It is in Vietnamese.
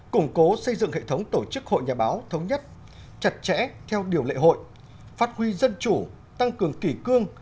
củng cố xây dựng hệ thống tổ chức hội nhà báo thống nhất chặt chẽ theo điều lệ hội phát huy dân chủ tăng cường kỷ cương